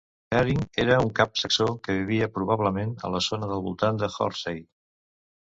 Haering era un cap saxó que vivia probablement a la zona del voltant de Hornsey.